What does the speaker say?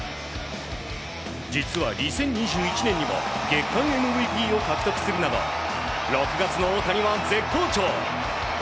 実は２０２１年にも月間ＭＶＰを獲得するなど６月の大谷は絶好調。